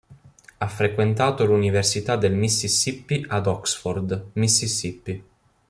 Ha frequentato l'Università del Mississippi ad Oxford, Mississippi.